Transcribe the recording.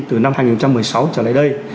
từ năm hai nghìn một mươi sáu trở lại đây